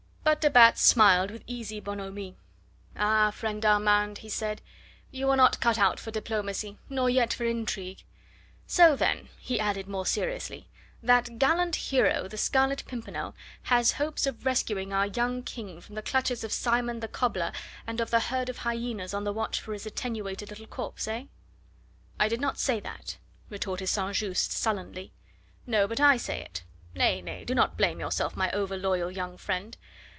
But de Batz smiled with easy bonhomie. "Ah, friend Armand," he said, "you were not cut out for diplomacy, nor yet for intrigue. So then," he added more seriously, "that gallant hero, the Scarlet Pimpernel, has hopes of rescuing our young King from the clutches of Simon the cobbler and of the herd of hyenas on the watch for his attenuated little corpse, eh?" "I did not say that," retorted St. Just sullenly. "No. But I say it. Nay! nay! do not blame yourself, my over loyal young friend.